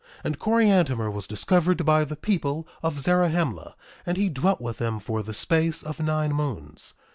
And Coriantumr was discovered by the people of Zarahemla; and he dwelt with them for the space of nine moons.